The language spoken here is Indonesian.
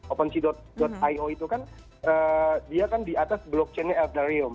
opensi io itu kan dia kan di atas blockchainnya atnarium